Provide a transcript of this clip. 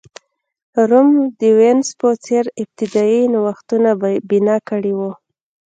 روم د وینز په څېر ابتدايي نوښتونه بنا کړي وو.